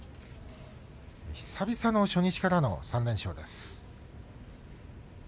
久々の初日からの３連勝です。